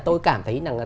tôi cảm thấy rằng là